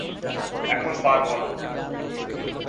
এখন পারবো না।